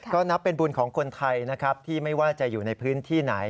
ก็นับเป็นบุญของคนไทยนะครับที่ไม่ว่าจะอยู่ในพื้นที่ไหน